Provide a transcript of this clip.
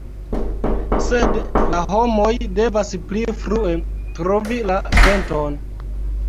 Sed la homoj devas pli frue trovi la venton”".